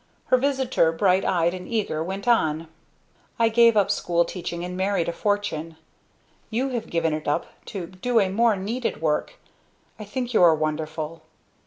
Her visitor, bright eyed and eager, went on. "I gave up school teaching and married a fortune. You have given it up to do a more needed work. I think you are wonderful.